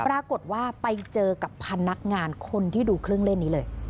ปรากฏว่าไปเจอกับพนักงานคนที่ดูเครื่องเล่นนี้เลย